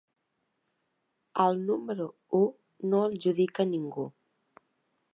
Al número u no el judica ningú.